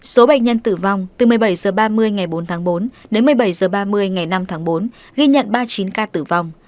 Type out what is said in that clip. số bệnh nhân tử vong từ một mươi bảy h ba mươi ngày bốn tháng bốn đến một mươi bảy h ba mươi ngày năm tháng bốn ghi nhận ba mươi chín ca tử vong